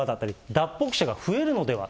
脱北者が増えるのでは。